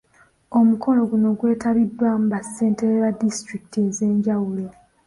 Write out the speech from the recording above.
Omukolo guno gwetabiddwako bassentebe ba disitulikiti ez'enjawulo